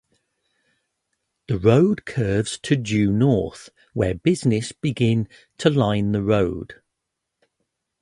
The road curves to due north where business begin to line the road.